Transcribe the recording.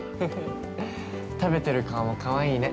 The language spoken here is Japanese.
◆食べてる顔もかわいいね。